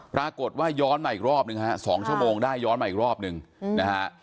ย้อนมาอีกรอบหนึ่งฮะ๒ชั่วโมงได้ย้อนมาอีกรอบหนึ่งนะฮะ